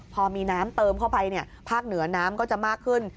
พอมีน้ำเติมเข้าไปภาคเหนือน้ำก็จะมากขึ้น